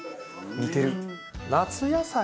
似てる。